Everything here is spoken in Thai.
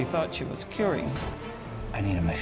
ลูกก็เปลี่ยนเบอร์ตลอด